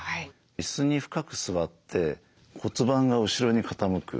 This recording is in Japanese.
椅子に深く座って骨盤が後ろに傾く。